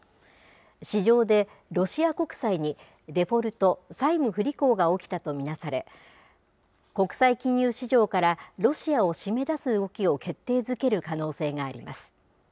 市場で、ロシア国債にデフォルト・債務不履行が起きたと見なされ、国際金融市場からロシアを締め出す動きを決定づける可能性があります。